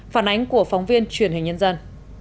phản ánh của phóng viên truyền hình nhân dân